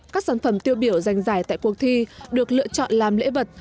các sản phẩm tiêu biểu giành giải tại cuộc thi được lựa chọn làm lễ vật